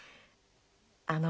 あの。